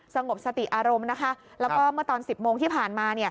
สงบสติอารมณ์นะคะแล้วก็เมื่อตอน๑๐โมงที่ผ่านมา